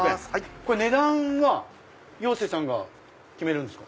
値段はヨウセイさんが決めるんですか？